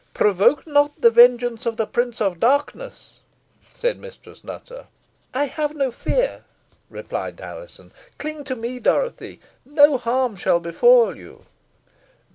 "Provoke not the vengeance of the Prince of Darkness," said Mistress Nutter. "I have no fear," replied Alizon. "Cling to me, Dorothy. No harm shall befall you."